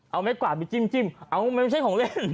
เอาเม็ดกว่าไปจิ้มเอาไม่ใช่ของเล่น